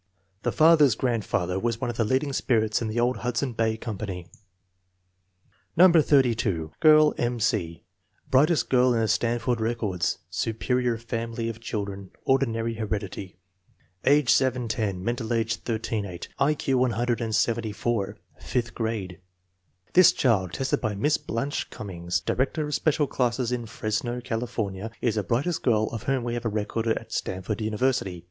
The father's grandfather was one of the leading spirits in the old Hudson Bay Company. No. 82. Girl: M. C. Brightest girl in the Stan ford records. Superior family of children, ordinary heredity. Age 7 10; mental age 13 8; I Q 174; fifth grade. This child, tested by Miss Blanche Cummings, Di rector of Special Classes in Fresno, California, is the brightest girl of whom we have a record at Stanford University.